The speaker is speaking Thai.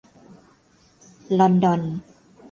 ลอนดอน